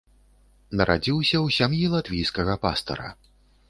Нарадзіўся ў сям'і латвійскага пастара.